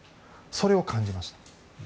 それを感じました。